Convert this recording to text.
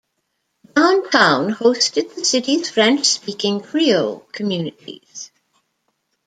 Downtown hosted the city's French-speaking Creole communities.